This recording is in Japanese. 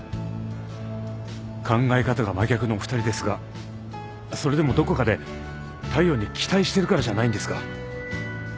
考え方が真逆のお二人ですがそれでもどこかで大陽に期待してるからじゃないんですか？